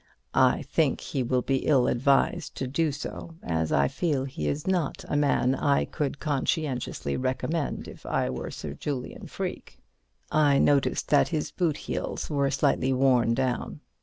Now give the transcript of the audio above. I think he will be ill advised to do so, as I feel he is not a man I could conscientiously recommend if I were in Sir Julian Freke's place. I noticed that his boot heels were slightly worn down.